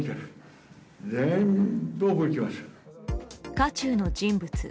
渦中の人物